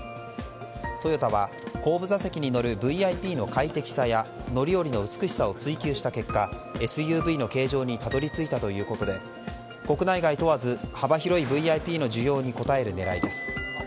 トヨタは後部座席に乗るＶＩＰの快適さや乗り降りの美しさを追求した結果ＳＵＶの形状にたどり着いたということで国内外問わず幅広いＶＩＰの需要に応える狙いです。